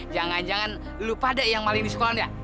jangan jangan lo pada yang maling di sekolah dia